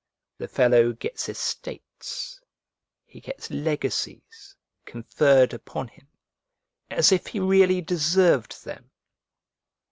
The fellow gets estates, he gets legacies, conferred upon him, as if he really deserved them!